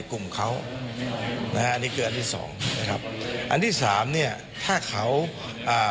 กลุ่มเขานะฮะอันนี้คืออันที่สองนะครับอันที่สามเนี้ยถ้าเขาอ่า